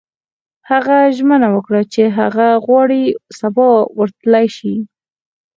هغه ژمنه وکړه چې که هغه وغواړي سبا ورتلای شي